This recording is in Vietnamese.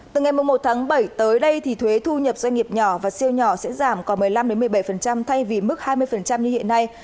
từ ngày một tháng bảy tới đây thì thuế thu nhập doanh nghiệp nhỏ và siêu nhỏ sẽ giảm còn một mươi năm một mươi bảy thay vì mức hai mươi như hiện nay